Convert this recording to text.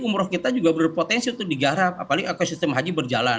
umroh kita juga berpotensi untuk digarap apalagi ekosistem haji berjalan